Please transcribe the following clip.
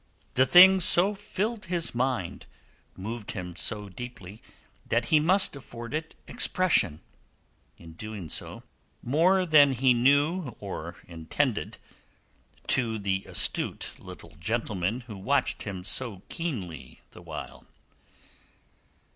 The thing so filled his mind, moved him so deeply, that he must afford it expression. In doing so, he revealed of himself more than he knew or intended to the astute little gentleman who watched him so keenly the while.